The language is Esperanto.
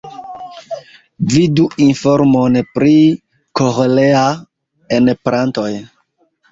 Vidu informon pri koĥlea-enplantoj.